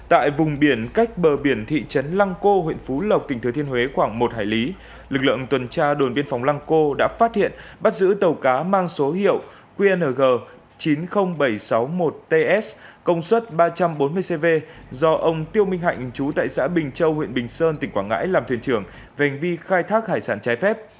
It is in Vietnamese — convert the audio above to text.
tại vùng biển cách bờ biển thị trấn lăng cô huyện phú lộc tỉnh thứ thiên huế khoảng một hải lý lực lượng tuần tra đồn biên phòng lăng cô đã phát hiện bắt giữ tàu cá mang số hiệu qng chín mươi nghìn bảy trăm sáu mươi một ts công suất ba trăm bốn mươi cv do ông tiêu minh hạnh chú tại xã bình châu huyện bình sơn tỉnh quảng ngãi làm thuyền trưởng về hành vi khai thác hải sản trái phép